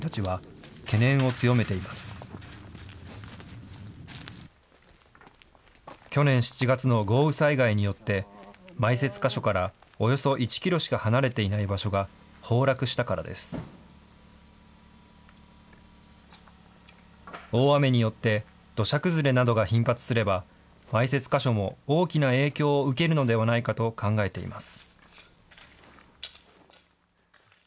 大雨によって、土砂崩れなどが頻発すれば、埋設箇所も大きな影響を受けるのではないかと考えています。